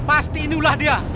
pasti inilah dia